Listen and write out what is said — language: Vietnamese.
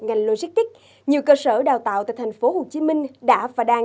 ngành logistics nhiều cơ sở đào tạo tại thành phố hồ chí minh đã và đang